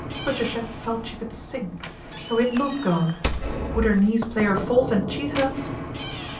Patricia felt she could sing. So he had not gone ! Would her knees play her false and cheat her